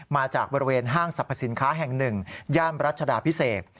มาจากบริเวณห้างสรรพสินค้าแห่งหนึ่งย่านรัชดาพิเศษ